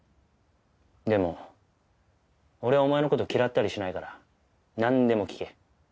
でも俺はお前の事嫌ったりしないからなんでも聞け。